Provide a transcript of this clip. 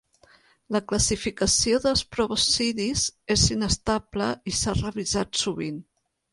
La classificació dels proboscidis és inestable i s'ha revisat sovint.